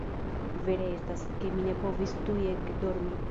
Vere estas, ke mi ne povis tuj ekdormi.